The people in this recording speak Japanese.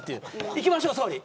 行きましょう総理